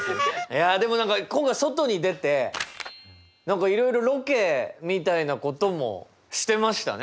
いやでも何か今回外に出て何かいろいろロケみたいなこともしてましたね。